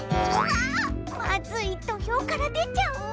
まずいどひょうからでちゃう。